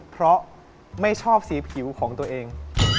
เพราะไม่ชอบสีผิวของตัวเอง